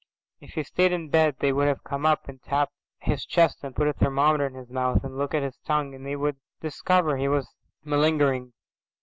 If he stayed in bed they would come up and tap his chest and put a thermometer in his mouth and look at his tongue, and they would discover he was malingering.